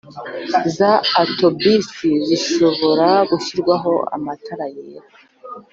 za otobisi bishobora gushyirwaho amatara yera